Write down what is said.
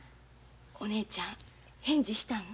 お姉ちゃん返事したん？